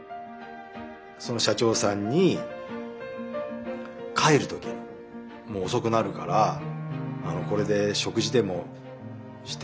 その社長さんに帰る時に「遅くなるからこれで食事でもして帰りなさい。